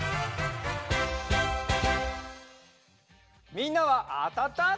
みんなはあたった？